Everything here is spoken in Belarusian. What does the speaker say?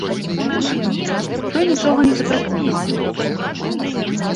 Той нічога не запрыкмеціў.